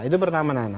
itu pertama nana